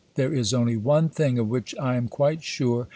There is only one thing of which I am quite sure.